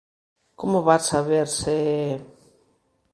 Como vas saber se...